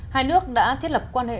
hai nước đã thiết lập quan hệ